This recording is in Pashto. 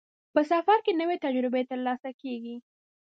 په سفر کې نوې تجربې ترلاسه کېږي.